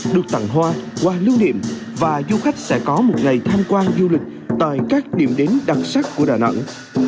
được tặng hoa qua lưu niệm và du khách sẽ có một ngày tham quan du lịch tại các điểm đến đặc sắc của đà nẵng